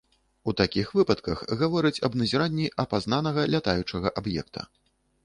У такіх выпадках гавораць аб назіранні апазнанага лятаючага аб'екта.